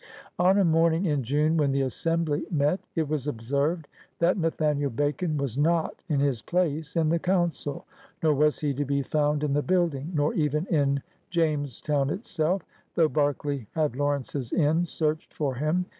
On a morning in June, when the Assembly met, it was observed that Nathaniel Bacon was not in his place in the Council — nor was he to be found in the building, nor even in Jamestown itself, though Berkeley had Lawrence's inn searched for him.